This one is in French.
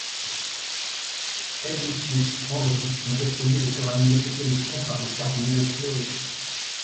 Helvétius, Andry ont essayé de faire annuler cette élection par le cardinal Fleury.